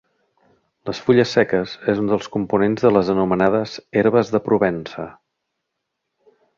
Les fulles seques és un dels components de les anomenades herbes de Provença.